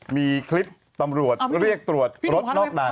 มีคลิปตำรวจเรียกตรวจรถนอกด่าน